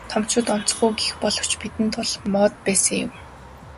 Томчууд онцгүй гэх боловч бидэнд бол моод байсан юм.